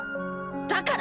だから。